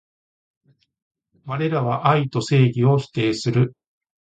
われらは愛と正義を否定する